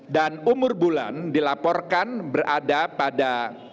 dan umur bulan dilaporkan berada pada